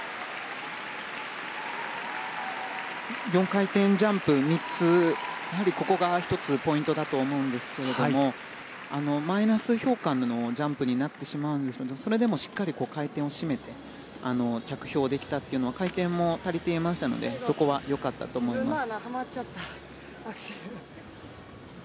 ４回転ジャンプ３つここが、１つポイントだと思うんですけどもマイナス評価のジャンプになってしまうんですがそれでもしっかり回転を締めて着氷できたというのは回転も足りていましたのでそこは良かったと思います。